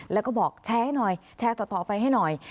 แล้วก็บอกแชร์ให้หน่อยแชร์ต่อไปให้หน่อย